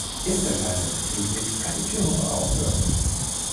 Ist der Schalter betätigt, kann die Tür nur von außen geöffnet werden.